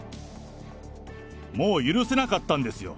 もう許せなかったんですよ。